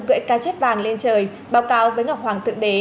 gợi ca chết vàng lên trời báo cáo với ngọc hoàng thượng đế